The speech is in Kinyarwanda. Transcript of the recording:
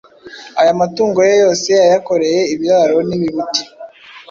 Aya matungo ye yose yayakoreye ibiraro n’ibibuti